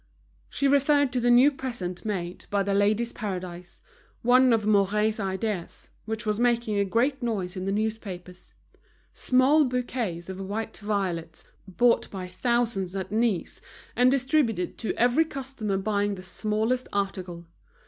She referred to the new present made by The Ladies' Paradise, one of Mouret's ideas, which was making a great noise in the newspapers; small bouquets of white violets, bought by thousands at Nice and distributed to every customer buying the smallest article.